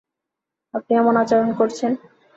আপনি এমন আচরণ করছেন?